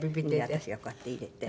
私がこうやって入れて。